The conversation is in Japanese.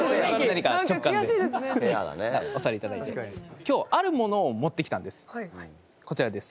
今日はあるものを持ってきたんです。